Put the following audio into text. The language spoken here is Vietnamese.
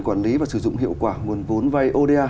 quản lý và sử dụng hiệu quả nguồn vốn vay oda